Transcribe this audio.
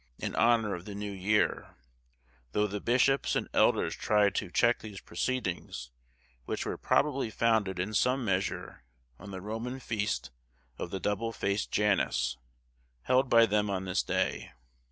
in honour of the new year; though the bishops and elders tried to check these proceedings, which were probably founded in some measure on the Roman feast of the double faced Janus, held by them on this day.